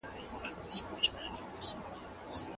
خاوند دا حق نلري، چي ميرمن سفر ته مجبوره کړي.